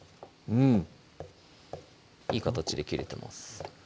いい形で切れてます